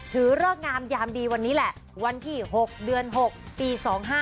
เริกงามยามดีวันนี้แหละวันที่๖เดือน๖ปี๒๕๖